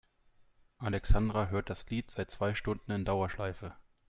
Alexandra hört das Lied seit zwei Stunden in Dauerschleife.